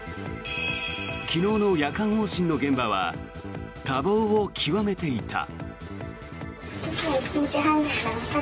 昨日の夜間往診の現場は多忙を極めていた。